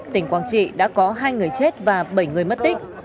tỉnh quảng trị đã có hai người chết và bảy người mất tích